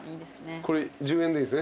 これ１０円でいいんですね。